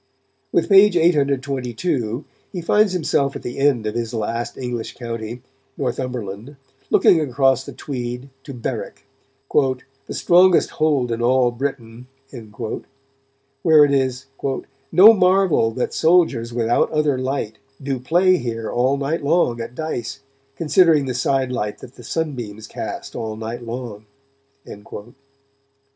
With page 822 he finds himself at the end of his last English county, Northumberland, looking across the Tweed to Berwick, "the strongest hold in all Britain," where it is "no marvel that soldiers without other light do play here all night long at dice, considering the side light that the sunbeams cast all night long."